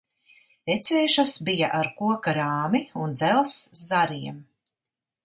Ecēšas bija ar koka rāmi un dzelzs zariem.